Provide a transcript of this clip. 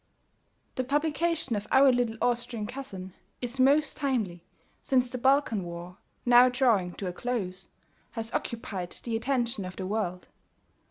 The publication of =Our Little Austrian Cousin= is most timely, since the Balkan War, now drawing to a close, has occupied the attention of the world.